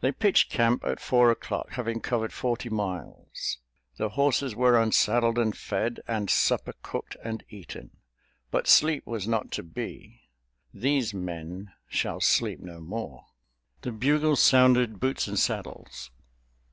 They pitched camp at four o'clock, having covered forty miles. The horses were unsaddled and fed, and supper cooked and eaten. But sleep was not to be—these men shall sleep no more! The bugles sounded "Boots and Saddles."